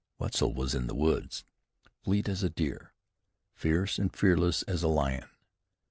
Wetzel was in the woods, fleet as a deer, fierce and fearless as a lion.